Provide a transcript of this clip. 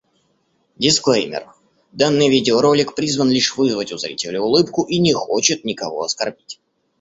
Дисклеймер! Данный видеоролик призван лишь вызвать у зрителя улыбку и не хочет никого оскорбить.